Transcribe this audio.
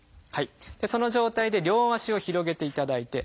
その状態で両足を広げていただいて。